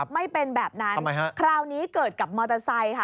ไม่เป็นแบบนั้นคราวนี้เกิดกับมอเตอร์ไซค่ะ